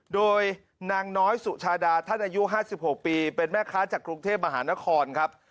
โดยนางน้อยสุชาดาท่านอายุ๕๖ปีเป็นแม่ค้าจากกรุงเทพมหานครครับ